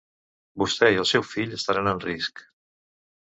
Vostè i el seu fill estaran en risc.